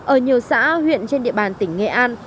ở nhiều xã huyện trên địa bàn tỉnh nghệ an